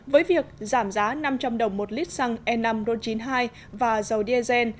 với việc giảm giá năm trăm linh đồng một lít xăng e năm một trăm chín mươi hai và dầu dse